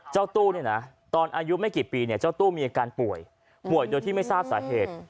เจ้าตู้เนี่ยนะตอนอายุไม่กี่ปีเนี่ยเจ้าตู้มีอาการป่วยป่วยโดยที่ไม่ทราบสาเหตุ